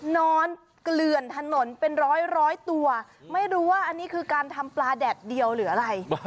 นอนเกลื่อนถนนเป็นร้อยตัวไม่รู้ว่าอันนี้คือการทำปลาแดดเดียวหรืออะไร